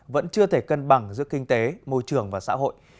vẫn chưa thể cân bằng giữa kinh tế môi trường và xã hội